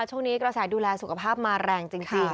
ช่วงนี้กระแสดูแลสุขภาพมาแรงจริง